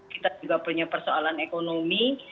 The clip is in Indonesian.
kita juga punya persoalan ekonomi